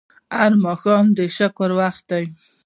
هر ماښام د شکر وخت دی